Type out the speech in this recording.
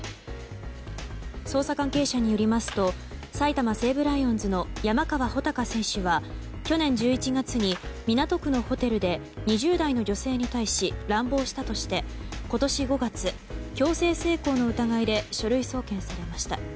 捜査関係者によりますと埼玉西武ライオンズの山川穂高選手は去年１１月に港区のホテルで２０代の女性に対し乱暴したとして今年５月、強制性交の疑いで書類送検されました。